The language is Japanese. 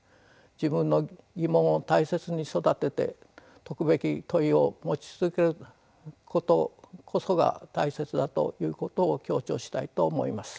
自分の疑問を大切に育てて解くべき問いを持ち続けることこそが大切だということを強調したいと思います。